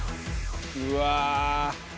うわ。